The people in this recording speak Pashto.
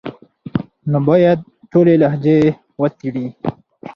نو بايد ټولي لهجې وڅېړي،